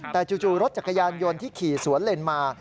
แต่จู่รถจักรยานยนต์ที่ขี่สวนเลนมา